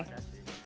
oke terima kasih